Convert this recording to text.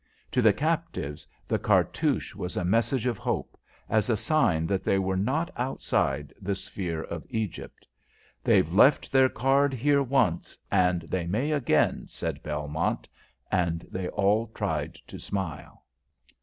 To the captives, the cartouche was a message of hope, as a sign that they were not outside the sphere of Egypt. "They've left their card here once, and they may again," said Belmont, and they all tried to smile.